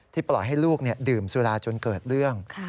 ปล่อยให้ลูกดื่มสุราจนเกิดเรื่อง